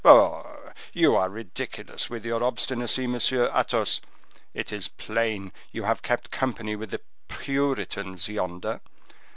"Pooh! you are ridiculous with your obstinacy, Monsieur Athos. It is plain you have kept company with the Puritans yonder.